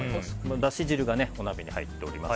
だし汁がお鍋に入っております。